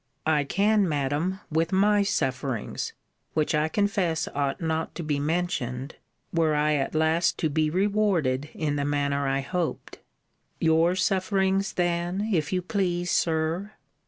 I can, Madam, with my sufferings: which I confess ought not to be mentioned, were I at last to be rewarded in the manner I hoped. Your sufferings then, if you please, Sir?